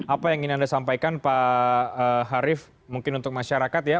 apa yang ingin anda sampaikan pak harif mungkin untuk masyarakat ya